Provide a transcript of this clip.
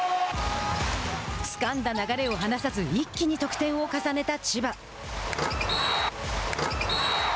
つかんだ流れを放さず一気に得点を重ねた千葉。